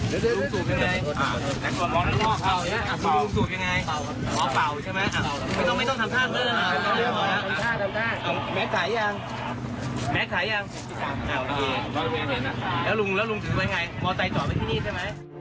แล้วลุงถือไว้ไงมอเตอร์จอดไว้ที่นี่ใช่ไหม